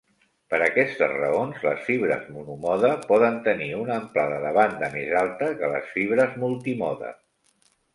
Per aquestes raons, les fibres monomode poden tenir una amplada de banda més alta que les fibres multimode.